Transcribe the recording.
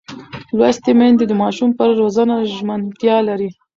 لوستې میندې د ماشوم پر روزنه ژمنتیا لري.